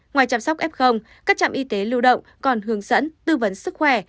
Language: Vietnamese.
ngoài chăm sóc f các trạm y tế lưu động còn hướng dẫn tư vấn sức khỏe